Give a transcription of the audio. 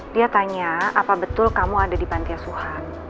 dia tanya apa betul kamu ada di pantai suhan